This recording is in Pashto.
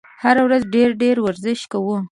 هره ورځ ډېر ډېر ورزش کوه !